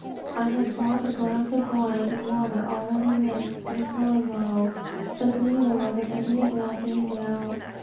I had brought a glass of wine and water already mixed, and a smelling bottle, but neither was of any avail to him now.